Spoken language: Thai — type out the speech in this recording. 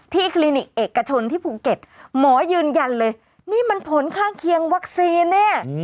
คลินิกเอกชนที่ภูเก็ตหมอยืนยันเลยนี่มันผลข้างเคียงวัคซีนแน่